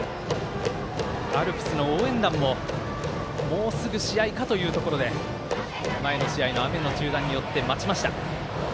アルプスの応援団ももうすぐ試合かというところで前の試合の雨の中断によって待ちました。